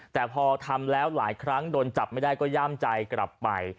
แต่พอทำแล้วหลายครั้งโดนจับไม่ได้ก็ย่ามใจกลับไป